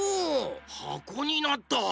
はこになった！